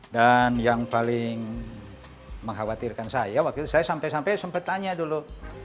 dan yang paling mengkhawatirkan saya waktu itu saya sampai sampai sempat tanya dulu